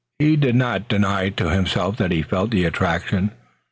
He did not deny to himself that he too felt the attraction.